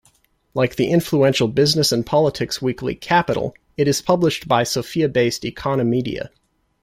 Like the influential business and politics weekly "Capital", it is published by Sofia-based Economedia.